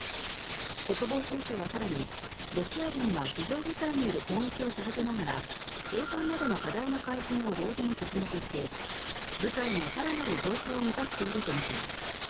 国防総省は更にロシア軍が地上部隊による攻撃を続けながら兵たんなどの課題の改善を同時に進めていて部隊の更なる増強を目指しているとみています。